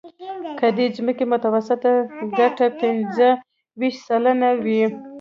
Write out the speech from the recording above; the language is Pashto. که د دې ځمکې متوسطه ګټه پنځه ویشت سلنه وي